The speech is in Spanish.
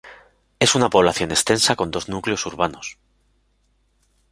Es una población extensa con dos núcleos urbanos.